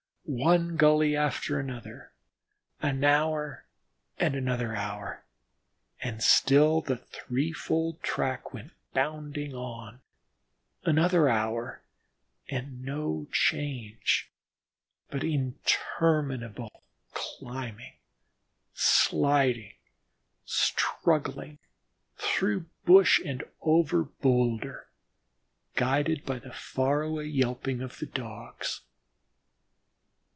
One gully after another, an hour and another hour, and still the threefold track went bounding on; another hour and no change, but interminable climbing, sliding, struggling, through brush and over boulders, guided by the far away yelping of the Dogs.